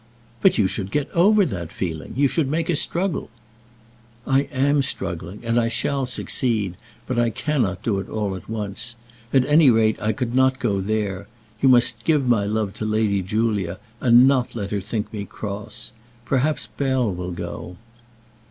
"But you should get over that feeling. You should make a struggle." "I am struggling, and I shall succeed; but I cannot do it all at once. At any rate I could not go there. You must give my love to Lady Julia, and not let her think me cross. Perhaps Bell will go."